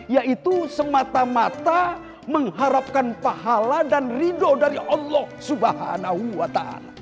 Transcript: yaitu semata mata mengharapkan pahala dan ridho dari allah swt